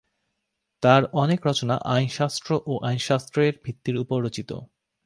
তাঁর অনেক রচনা আইনশাস্ত্র ও আইনশাস্ত্রের ভিত্তির উপর রচিত।